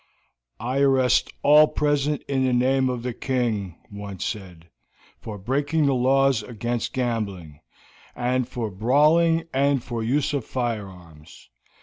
"I arrest all present in the name of the king," one said, "for breaking the laws against gambling, and for brawling and the use of firearms.